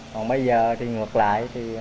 còn bây giờ thì ngược lại